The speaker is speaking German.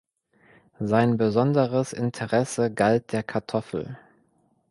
Sein besonderes Interesse galt der Kartoffel.